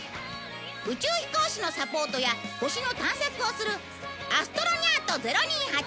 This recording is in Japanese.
宇宙飛行士のサポートや星の探索をするアストロニャート ０−２８